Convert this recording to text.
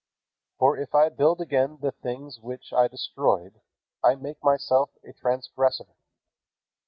For if I build again the things which I destroyed, I make myself a transgressor.